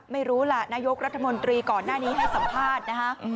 ไม่รู้ล่ะนายกรัฐมนตรีก่อนหน้านี้ให้สัมภาษณ์นะคะ